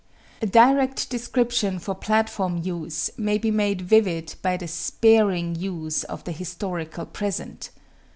Direct description for platform use may be made vivid by the sparing use of the "historical present."